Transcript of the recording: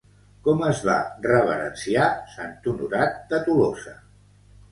Com es va reverenciar Sant Honorat de Tolosa?